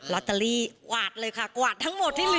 ลอตเตอรี่กวาดเลยค่ะกวาดทั้งหมดที่เหลือ